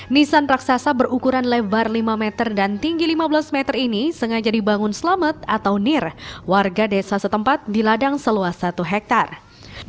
nissan raksasa berukuran lebar lima meter dan tinggi lima belas meter ini sengaja dibangun selamat atau nir warga desa setempat di ladang seluas satu hektare